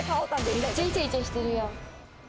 めっちゃいちゃいちゃしてるやん。